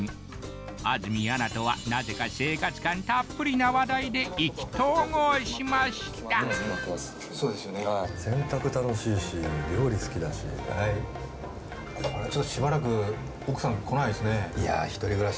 安住アナとはなぜか生活感たっぷりな話題で意気投合しましたいや１人暮らし